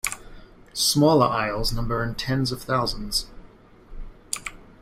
Smaller isles number in tens of thousands.